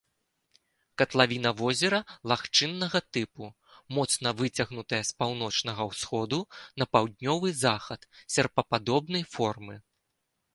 Катлавіна возера лагчыннага тыпу, моцна выцягнутая з паўночнага ўсходу на паўднёвы захад, серпападобнай формы.